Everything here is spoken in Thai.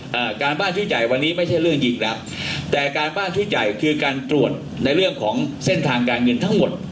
อ่าการบ้านชี้จ่ายวันนี้ไม่ใช่เรื่องจริงแล้วแต่การบ้านชี้จ่ายคือการตรวจในเรื่องของเส้นทางการเงินทั้งหมด